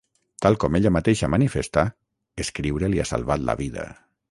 Tal com ella mateixa manifesta, escriure li ha salvat la vida.